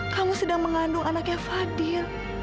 kamu sedang mengandung anaknya fadil